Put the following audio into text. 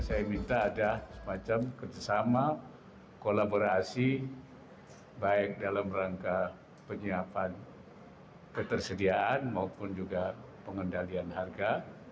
saya minta ada semacam kerjasama kolaborasi baik dalam rangka penyiapan ketersediaan maupun juga pengendalian harga